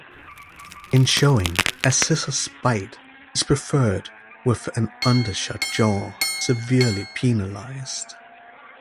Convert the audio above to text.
In showing, a scissors bite is preferred with an undershot jaw severely penalised.